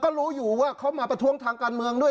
ก็รู้อยู่ว่าเขามาประท้วงทางการเมืองด้วย